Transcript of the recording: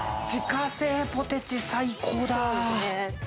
自家製ポテチ最高だ。